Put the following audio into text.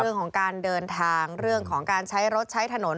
เรื่องของการเดินทางเรื่องของการใช้รถใช้ถนน